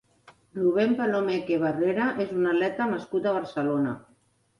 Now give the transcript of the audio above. Rubén Palomeque Barrera és un atleta nascut a Barcelona.